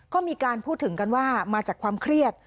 ก็มีการพูดถึงกันว่ามาจากความเครียด